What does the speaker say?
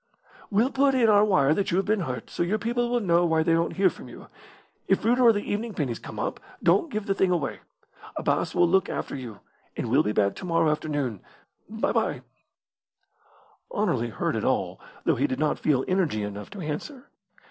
"We'll put in our wire that you have been hurt, so your people will know why they don't hear from you. If Reuter or the evening pennies come up, don't give the thing away. Abbas will look after you, and we'll be back to morrow afternoon. Bye bye!" Anerley heard it all, though he did not feel energy enough to answer.